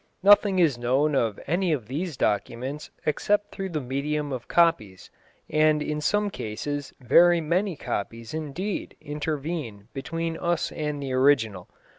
Nothing is known of any of these documents except through the medium of copies, and in some cases very many copies indeed intervene between us and the original.